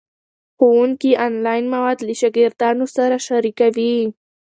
ښوونکي آنلاین مواد له شاګردانو سره شریکوي.